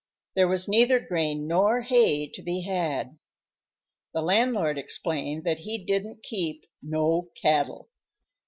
There was neither grain nor hay to be had. The landlord explained that he didn't keep "no cattle."